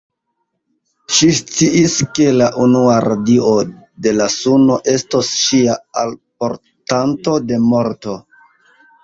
Ŝi sciis, ke la unua radio de la suno estos ŝia alportanto de morto.